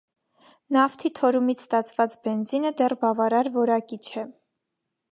Նավթի թորումից ստացված բենզինը դեռ բավարար որակի չէ։